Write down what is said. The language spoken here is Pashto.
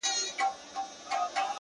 • په سمه لاره کي پل مه ورانوی,